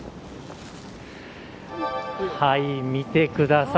見てください。